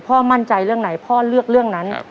มั่นใจเรื่องไหนพ่อเลือกเรื่องนั้น